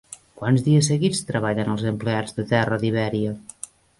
Quants dies seguits treballen els empleats de terra d'Ibèria?